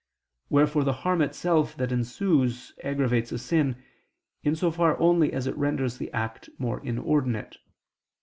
Wherefore the harm itself that ensues aggravates a sin, in so far only as it renders the act more inordinate.